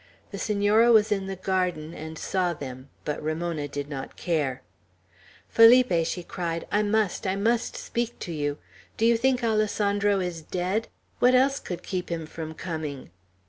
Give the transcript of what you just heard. The Senora was in the garden, and saw them; but Ramona did not care. "Felipe!" she cried, "I must, I must speak to you! Do you think Alessandro is dead? What else could keep him from coming?"